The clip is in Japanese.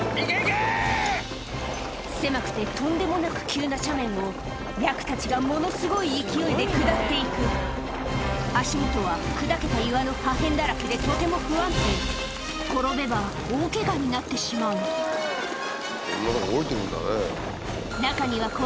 狭くてとんでもなく急な斜面をヤクたちがものすごい勢いで下っていく足元は砕けた岩の破片だらけでとても不安定転べば大ケガになってしまうこんなとこ下りていくんだね。